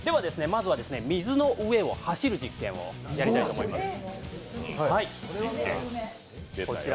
まずは水の上を走る実験をやりたいと思います。